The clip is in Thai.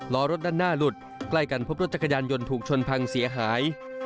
ล้อรถด้านหน้าหลุดใกล้กันพบรถจักรยานยนต์ถูกชนพังเสียหาย